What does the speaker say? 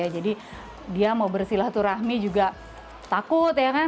jadi dia mau bersilaturahmi juga takut ya kan